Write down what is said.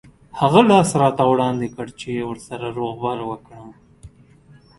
هغه لاس راته وړاندې کړ چې ورسره روغبړ وکړم.